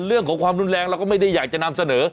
เรื่องของความรุนแรงเราก็ไม่ได้อยากจะนำเสนอ